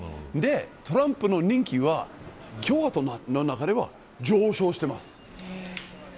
トランプの人気は共和党の中では上昇しています。